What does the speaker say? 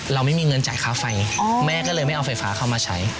เราไม่มีเงินจ่ายค่าไฟแม่ก็เลยไม่เอาไฟฟ้าเข้ามาใช้